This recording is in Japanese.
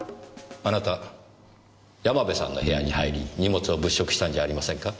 あなた山部さんの部屋に入り荷物を物色したんじゃありませんか？